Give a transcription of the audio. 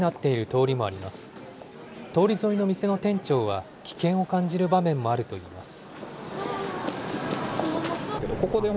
通り沿いの店の店長は、危険を感じる場面もあるといいます。